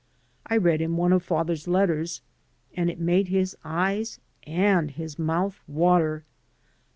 I read him one of father's letters, and it made his eyes and his mouth water.